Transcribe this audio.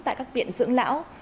tại các biện dưỡng lão